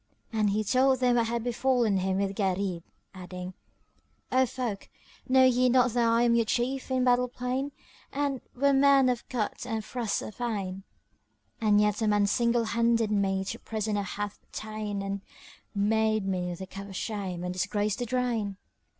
And he told them what had befallen him with Gharib, adding, "O folk, know ye not that I am your chief in battle plain and where men of cut and thrust are fain; and yet a man single handed me to prisoner hath ta'en and made me the cup of shame and disgrace to drain?"